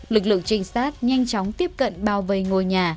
lực lượng trinh sát nhanh chóng tiếp cận bao vây ngôi nhà